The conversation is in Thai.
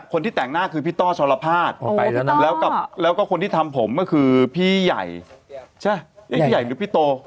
คนที่แต่งหน้าคือพี่ต้อชรภาษณ์แล้วก็คนที่ทำผมก็คือพี่ใหญ่พี่ใหญ่หรือพี่โต